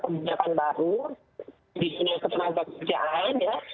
kebijakan baru di dunia kepenangan pekerjaan ya